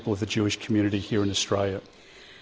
pinkerton juga mengklaim bahwa australia harus siap